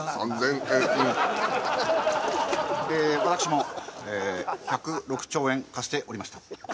私も１０６兆円貸しておりました